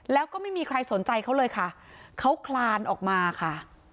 แล้วก็ไม่มีใครสนใจเขาเลยค่ะเขาคลานออกมาค่ะ